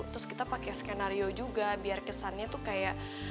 terus kita pakai skenario juga biar kesannya tuh kayak